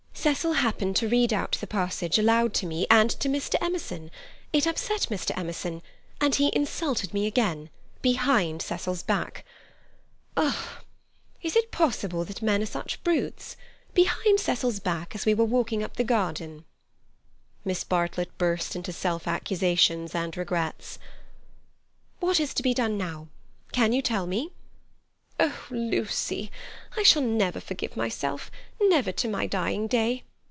"Cecil happened to read out the passage aloud to me and to Mr. Emerson; it upset Mr. Emerson and he insulted me again. Behind Cecil's back. Ugh! Is it possible that men are such brutes? Behind Cecil's back as we were walking up the garden." Miss Bartlett burst into self accusations and regrets. "What is to be done now? Can you tell me?" "Oh, Lucy—I shall never forgive myself, never to my dying day.